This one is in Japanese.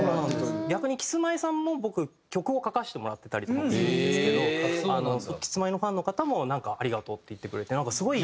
逆にキスマイさんも僕曲を書かせてもらってたりとかもするんですけどキスマイのファンの方もなんか「ありがとう」って言ってくれてなんかすごい。